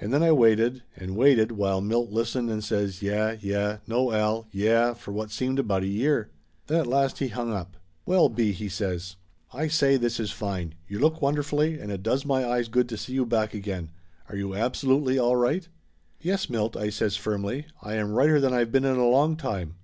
And then I waited and waited while Milt listened and says Yeh, yeh, no Al, yeh, for what seemed about a year. Then at last he hung up. "Well, B. !" he says. "I say, this is fine ! You look wonderfully, and it does my eyes good to see you back again. Are you absolutely all right ?" "Yes, Milt," I says firmly. "I am righter than I've been in a long time.